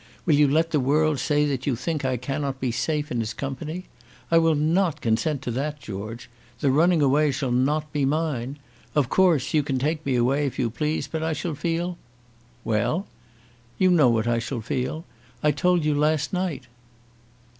Will you let the world say that you think that I cannot be safe in his company? I will not consent to that, George. The running away shall not be mine. Of course you can take me away, if you please, but I shall feel " "Well!" "You know what I shall feel. I told you last night."